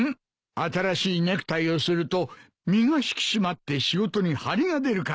新しいネクタイをすると身が引き締まって仕事に張りが出るからな。